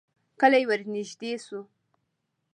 کلی ورنږدې شو.